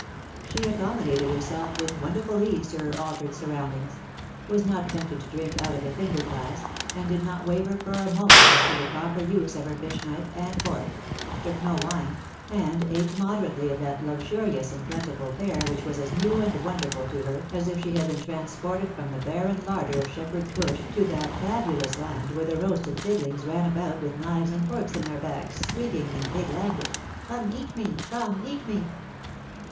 She accommodated herself wdth wonderful ease to her altered surroundings — was not tempted to drink out of a iinger glass^ and did not waver for a moment as to the proper use of her fish knife and fork — took no wine — and ate mode rately of that luxurious and plentiful fare which was as new and wonderful to her as if she had 'been trans ported from the barren larder of Shepherd^s Bush to that fabulous land where the roasted piglings ran about with knives and forks in their backs, squeaking, in pig language,, " Come, cat me ; come^ eat me.''''